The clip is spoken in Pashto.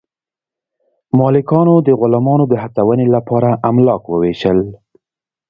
مالکانو د غلامانو د هڅونې لپاره املاک وویشل.